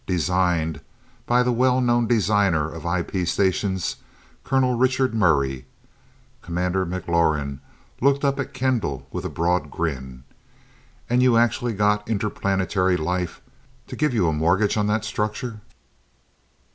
Designed by the well known designer of IP stations, Colonel Richard Murray." Commander McLaurin looked up at Kendall with a broad grin. "And you actually got Interplanetary Life to give you a mortgage on the structure?"